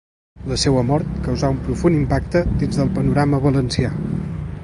La seua mort causà un profund impacte dins del panorama valencià.